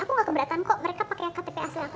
aku nggak keberatan kok mereka pakai ktp asli aku